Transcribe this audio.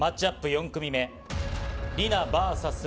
４組目、梨菜ＶＳ